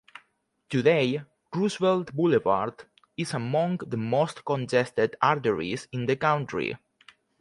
Today, Roosevelt Boulevard is among the most congested arteries in the country.